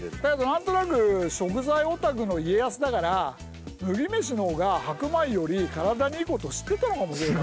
何となく食材オタクの家康だから麦飯のほうが白米より体にいいことを知ってたのかもしれない。